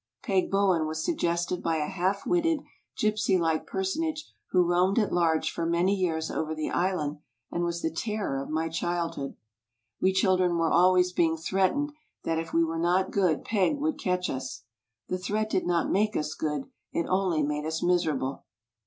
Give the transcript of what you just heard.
"Peg Bowen" was sug gested by a half wined, gypsy like personage who roamed at large for many years over the Island and was the terror of my childhood. We children were always being threat ened that if we were not good Peg would catch us. The threat did not make us good, it only made us miserable.